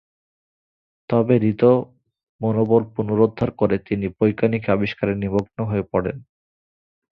তবে হৃত মনোবল পুনরুদ্ধার করে তিনি বৈজ্ঞানিক আবিষ্কারে নিমগ্ন হয়ে পড়েন।